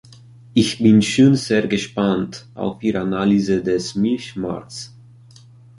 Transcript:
Ich bin schon sehr gespannt auf Ihre Analyse des Milchmarkts.